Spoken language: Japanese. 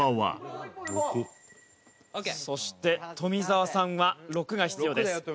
そして富澤さんは６が必要です。